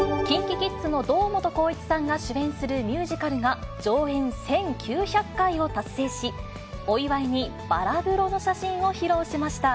ＫｉｎｋｉＫｉｄｓの堂本光一さんが主演するミュージカルが上演１９００回を達成し、お祝いにバラ風呂の写真を披露しました。